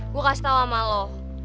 gue kasih tau sama lo